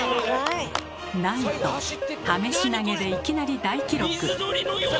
なんと試し投げでいきなり大記録！